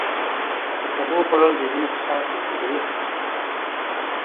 د سبو خوړل د وینې فشار کنټرولوي.